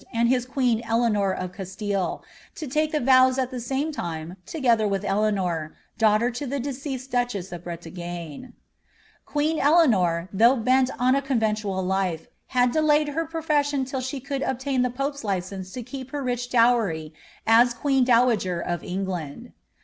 and his queen Eleanor of Castille, to take the vows at e same time, together with Eleanor, daughter to the deceased duchess ' Bretagne. Qpeen Eleanor, though bent on a conventual life, had delayed her ofeMion till she could obtain the pope's license to keep her rich iwry as queen dowager of England.'